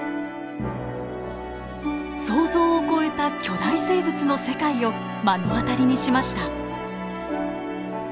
想像を超えた巨大生物の世界を目の当たりにしました。